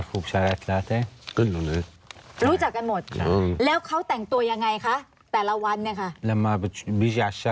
หรือรู้จักกันหมดแล้วเขาแต่งตัวยังไงคะแต่ละวันเนี่ยค่ะ